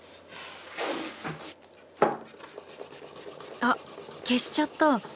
あ消しちゃった。